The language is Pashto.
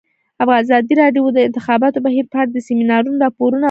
ازادي راډیو د د انتخاباتو بهیر په اړه د سیمینارونو راپورونه ورکړي.